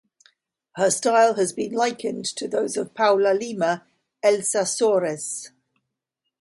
Her style has been likened to those of Paula Lima, Elza Soares.